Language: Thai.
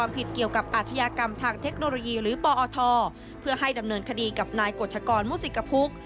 เพื่อให้ดำเนินคดีกับนายกฎชกรมุษิกภุกร์